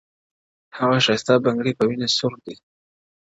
• هغه ښايسته بنگړى په وينو ســـور دى؛